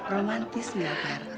romantis gak fir